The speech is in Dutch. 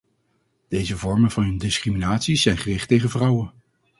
Deze vormen van discriminatie zijn gericht tegen vrouwen.